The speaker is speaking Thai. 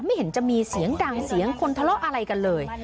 ไม่เห็นจะมีเสียงดังเสียงคนทะเลาะอะไรกันเลย